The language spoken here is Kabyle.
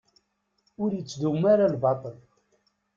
Ur ittdum ara lbaṭel.